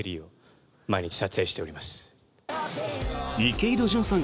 池井戸潤さん